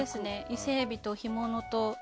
伊勢エビと、干物と。